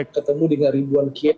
ketemu dengan ribuan kiai